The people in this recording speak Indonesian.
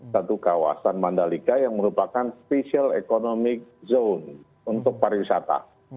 satu kawasan mandalika yang merupakan special economic zone untuk pariwisata